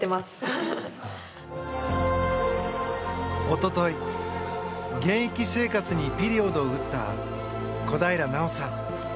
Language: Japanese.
一昨日、現役生活にピリオドを打った小平奈緒さん。